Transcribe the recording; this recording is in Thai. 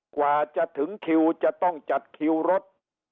กว่าจะถึงคิวจะต้องจัดคิวรถ